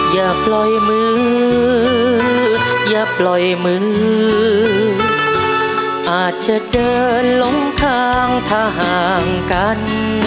อย่าปล่อยมืออย่าปล่อยมืออาจจะเดินล้มทางถ้าห่างกัน